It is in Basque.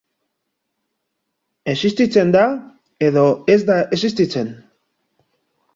Existitzen da edo ez da existitzen.